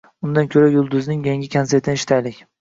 Undan ko`ra Yulduzning yangi konsertini eshitaylik